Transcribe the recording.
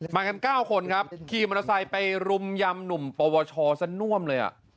มากัน๙คนครับขี่มอเตอร์ไซค์ไปรุมยำหนุ่มปวชซะน่วมเลย